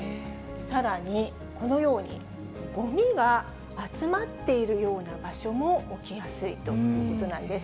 さらにこのように、ごみが集まっているような場所も起きやすいということなんです。